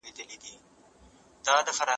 هغه په ډېر لنډ وخت کې لویې سیمې لاندې کړې.